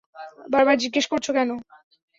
বারবার জিজ্ঞেস করছো কেন?